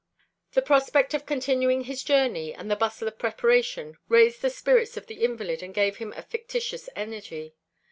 The prospect of continuing his journey and the bustle of preparation raised the spirits of the invalid and gave him a fictitious energy.